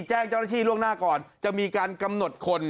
แจ้งเจ้าหน้าที่ล่วงหน้าก่อนจะมีการกำหนดคน